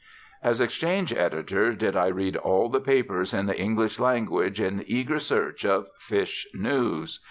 As exchange editor, did I read all the papers in the English language in eager search of fish news.